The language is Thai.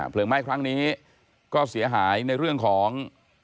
ไหม้ครั้งนี้ก็เสียหายในเรื่องของ